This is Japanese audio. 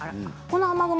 この雨雲